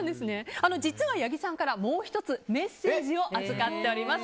実は八木さんからもう１つメッセージを預かっています。